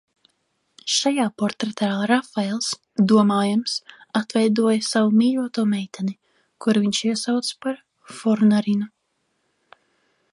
Šajā portretā Rafaels, domājams, atveidoja savu mīļoto meiteni, kuru viņš iesauca par Fornarinu.